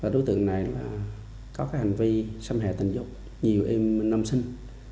đối tượng này có hành vi xâm hệ tình dục nhiều em nam sinh